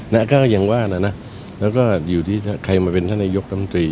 ก็ยังว่านะแล้วก็อยู่ที่ใครมาเป็นท่านนายกรรมตรี